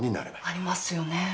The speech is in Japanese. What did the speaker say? ありますよね。